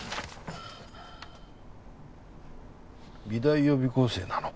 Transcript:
美大予備校生なの？